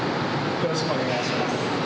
よろしくお願いします。